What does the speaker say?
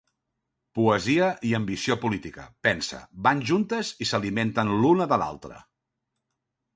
Poesia i ambició política, pensa, van juntes i s'alimenten l'una de l'altra.